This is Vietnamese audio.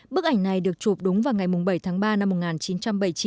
bức ảnh này được chụp đúng vào ngày bảy tháng ba năm một nghìn chín trăm bảy mươi chín